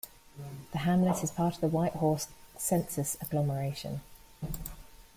The hamlet is part of the Whitehorse Census Agglomeration.